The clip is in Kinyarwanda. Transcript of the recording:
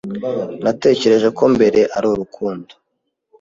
Natekereje ko mbere ari urukundo.